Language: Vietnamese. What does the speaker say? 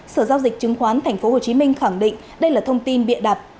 sở giao dịch chứng khoán tp hcm khẳng định đây là thông tin bịa đặt